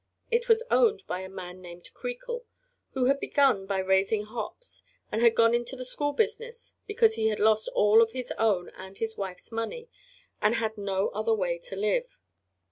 It was owned by a man named Creakle, who had begun by raising hops, and had gone into the school business because he had lost all of his own and his wife's money and had no other way to live.